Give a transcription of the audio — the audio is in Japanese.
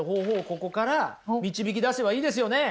ここから導き出せばいいですよね！